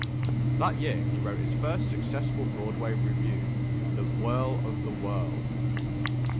That year he wrote his first successful Broadway revue, "The Whirl of the World".